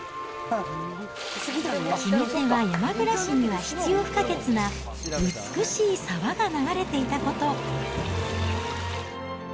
決め手は、山暮らしには必要不可欠な美しい沢が流れていたこと。